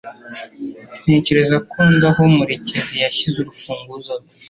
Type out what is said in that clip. Ntekereza ko nzi aho Murekezi yashyize urufunguzo rwe.